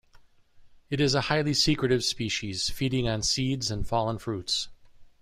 It is a highly secretive species, feeding on seeds and fallen fruits.